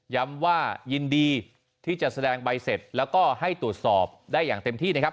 ว่ายินดีที่จะแสดงใบเสร็จแล้วก็ให้ตรวจสอบได้อย่างเต็มที่นะครับ